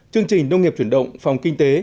chương trình nông nghiệp chuyển động phòng kinh tế